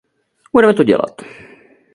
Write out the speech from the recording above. Budeme to dělat.